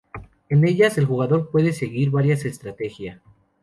En ellas, el jugador puede seguir varias estrategia.